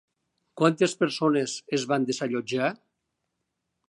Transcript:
Quantes persones es van desallotjar?